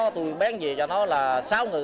tôi bán gì cho nó là sáu người